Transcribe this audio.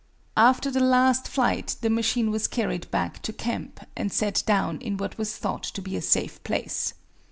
After the last flight the machine was carried back to camp and set down in what was thought to be a safe place.